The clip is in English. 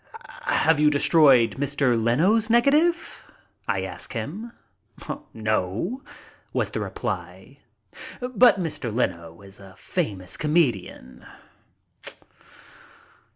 "Have you destroyed Mr. Leno's negative?" I ask him. "No," was the reply, "but Mr. Leno is a famous come dian."